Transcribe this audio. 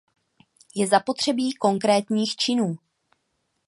Je zapotřebí konkrétních činů.